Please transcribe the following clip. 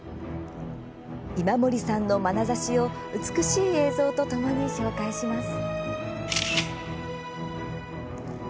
今森さんのまなざしを美しい映像とともに紹介します。